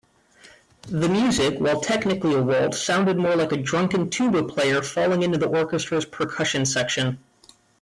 The music, while technically a waltz, sounded more like a drunken tuba player falling into the orchestra's percussion section.